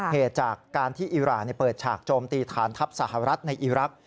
เหตุจากการที่อิราเปิดฉากโจมตีฐานทัพสหรัฐในอีรักษ